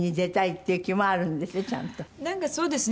なんかそうですね